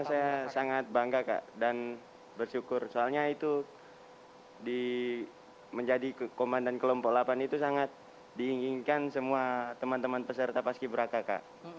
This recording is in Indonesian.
saya sangat bangga kak dan bersyukur soalnya itu menjadi komandan kelompok delapan itu sangat diinginkan semua teman teman peserta paski braka